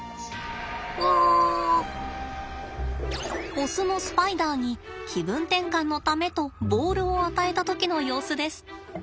オスのスパイダーに気分転換のためとボールを与えた時の様子です。